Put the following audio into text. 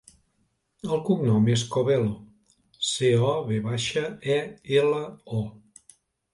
El cognom és Covelo: ce, o, ve baixa, e, ela, o.